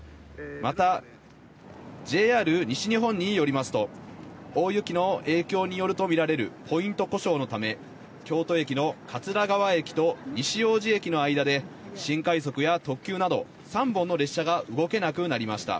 また、ＪＲ西日本によりますと大雪の影響によるとみられるポイント故障のため、京都駅の桂川駅と西大路駅の間で、新快速や特急など、３本の列車が動けなくなりました。